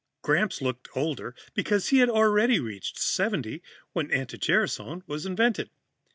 Gramps looked older because he had already reached 70 when anti gerasone was invented.